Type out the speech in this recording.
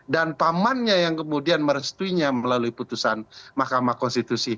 dan pamannya yang kemudian merestuinya melalui putusan mahkamah mahkamah